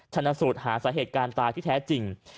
ชนะสูตรหาสาเหตุการณ์ตายที่แท้จริง